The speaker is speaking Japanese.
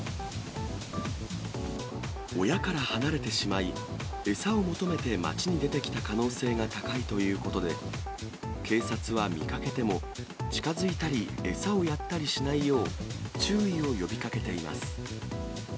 親から離れてしまい、餌を求めて街に出てきた可能性が高いということで、警察は見かけても、近づいたり餌をやったりしないよう、注意を呼びかけています。